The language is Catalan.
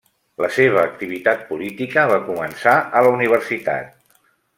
La seva activitat política va començar a la universitat.